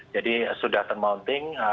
jadi sudah termounting